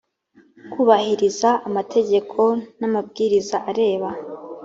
kubahiriza amategeko n amabwiriza areba